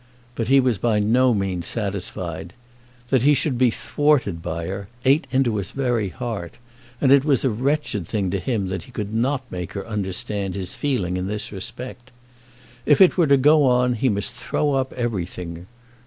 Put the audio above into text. But he was by no means satisfied. That he should be thwarted by her, ate into his very heart; and it was a wretched thing to him that he could not make her understand his feeling in this respect. If it were to go on he must throw up everything.